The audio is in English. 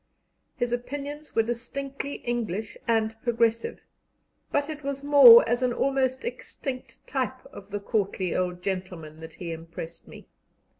His opinions were distinctly English and progressive, but it was more as an almost extinct type of the courtly old gentleman that he impressed me.